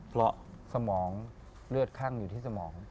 เพราะสมองเลือดคั่งอยู่ที่สมอง